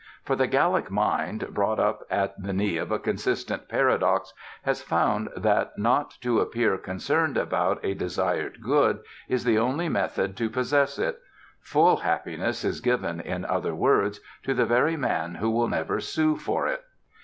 For the Gallic mind, brought up at the knee of a consistent paradox, has found that not to appear concerned about a desired good is the only method to possess it; full happiness is given, in other words, to the very man who will never sue for it.